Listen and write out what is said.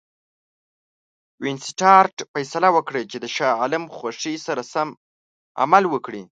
وینسیټارټ فیصله وکړه چې د شاه عالم خوښي سره سم عمل وکړي.